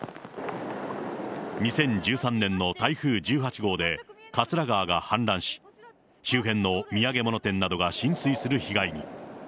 ２０１３年の台風１８号で、桂川が氾濫し、周辺の土産物店などが浸水する被害に。